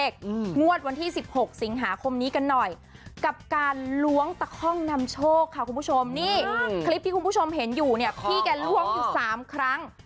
กับการล้วงตะค้องนำโชคค่ะคุณผู้ชมนี่คลิปที่คุณผู้ชมเห็นอยู่เนี่ยพี่แกล้วงอยู่๓ครั้ง